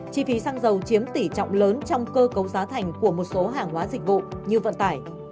chi phí xăng dầu chiếm tỷ trọng lớn trong cơ cấu giá thành của một số hàng hóa dịch vụ như vận tải